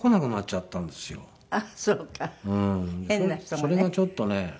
それがちょっとね